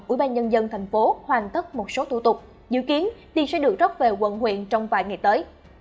ủy ban nhân dân thành phố hoàn tất một số thủ tục dự kiến thì sẽ được rót về quận huyện trong vài ngày tới